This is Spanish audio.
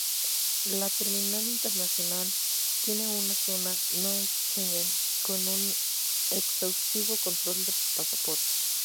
La terminal internacional tiene una zona no schengen con un exhaustivo control de pasaportes.